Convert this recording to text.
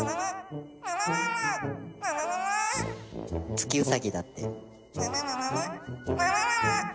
月うさぎだって。